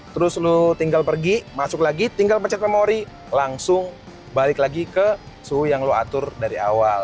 terus lo tinggal pergi masuk lagi tinggal pecet memori langsung balik lagi ke suhu yang lo atur dari awal